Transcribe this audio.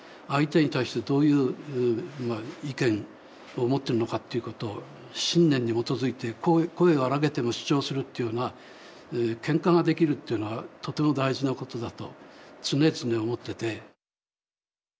相手に対してどういう意見を持ってるのかっていうことを信念に基づいて声を荒げても主張するっていうのはけんかができるっていうのはとても大事なことだと常々思ってて。